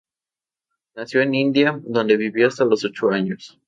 Nació en India, donde vivió hasta los ocho años.